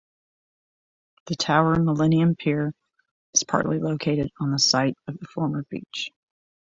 The Tower Millennium Pier is partly located on the site of the former beach.